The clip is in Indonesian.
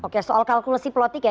oke soal kalkulasi politik ya